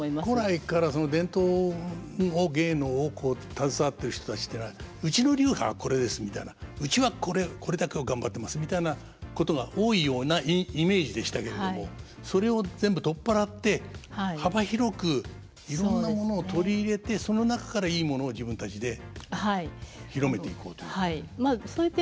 古来からその伝統芸能をこう携わっている人たちっていうのは「うちの流派はこれです」みたいな「うちはこれだけを頑張ってます」みたいなことが多いようなイメージでしたけれどもそれを全部取っ払って幅広くいろんなものを取り入れてその中からいいものを自分たちで広めていこうという。